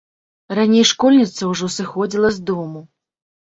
Раней школьніца ўжо сыходзіла з дому.